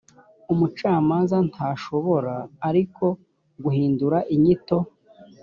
umucamanza ntashobora ariko guhindura inyito